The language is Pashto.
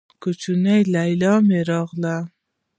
کوچۍ ليلا مې راغله.